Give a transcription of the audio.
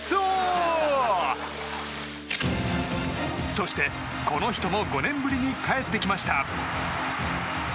そして、この人も５年ぶりに帰ってきました。